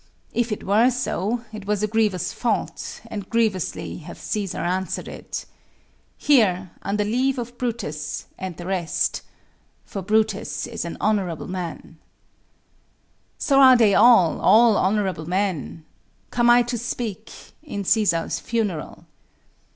If it were so, it was a grievous fault, And grievously hath Cæsar answered it. Here, under leave of Brutus, and the rest For Brutus is an honorable man, So are they all, all honorable men Come I to speak in Cæsar's funeral.